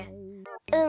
うん。